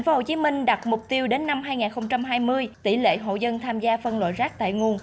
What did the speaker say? tp hcm đặt mục tiêu đến năm hai nghìn hai mươi tỷ lệ hộ dân tham gia phân loại rác tại nguồn